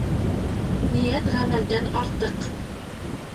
Ниәт ғәмәлдән артыҡ.